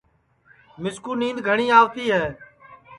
مِسکُو نِینٚدؔ گھٹؔی آوتی ہے